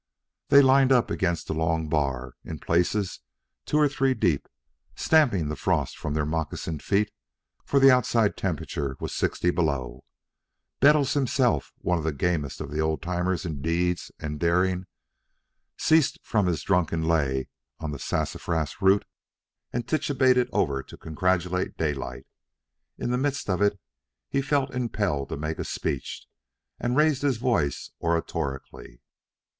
They lined up against the long bar, in places two or three deep, stamping the frost from their moccasined feet, for outside the temperature was sixty below. Bettles, himself one of the gamest of the old timers in deeds and daring ceased from his drunken lay of the "Sassafras Root," and titubated over to congratulate Daylight. But in the midst of it he felt impelled to make a speech, and raised his voice oratorically.